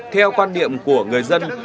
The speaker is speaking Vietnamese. theo quan điểm của người dân